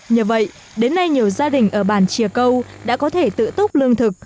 nhờ vậy đến nay nhiều gia đình ở bản chìa câu đã có thể tự túc lương thực